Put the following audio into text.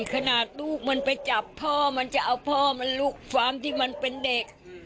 ขนาดลูกมันไปจับพ่อมันจะเอาพ่อมันลูกฟาร์มที่มันเป็นเด็ก